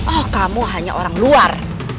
oh kamu hanya orang luar